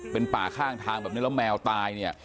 เป็นป่าข้างทางแบบนี้แล้วแมวตายเนี่ย